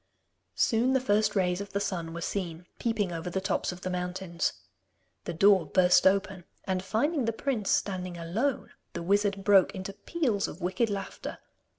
Soon the first rays of the sun were seen peeping over the tops of the mountains. The door burst open, and finding the prince standing alone the wizard broke into peals of wicked laughter.